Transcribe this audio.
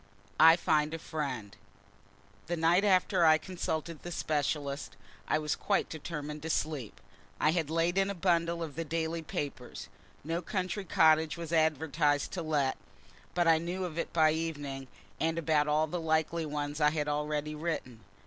I FIND A FRIEND The night after I consulted the specialist I was quite determined to sleep. I had laid in a bundle of the daily papers. No country cottage was advertised to let but I knew of it by evening, and about all the likely ones I had already written.